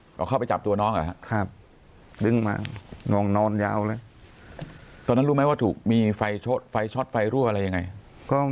เพราะเข้าไปจับตัวน้องเหรอคะครับ